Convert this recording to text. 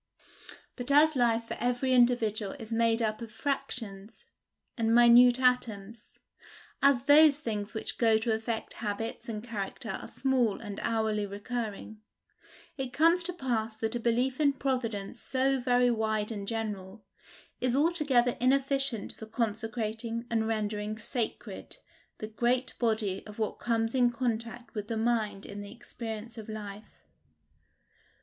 But as life for every individual is made up of fractions and minute atoms as those things which go to affect habits and character are small and hourly recurring, it comes to pass that a belief in Providence so very wide and general, is altogether inefficient for consecrating and rendering sacred the great body of what comes in contact with the mind in the experience of life.